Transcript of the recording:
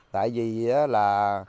tại vì là